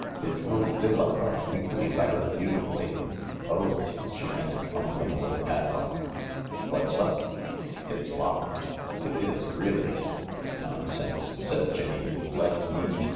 " It will fill up our weekly letter beauti* fully ... Oh !" she ended, fumbling with the padlock* "What's up?" " It's locked. It is, really." "Nonsense," said Jane, "let me."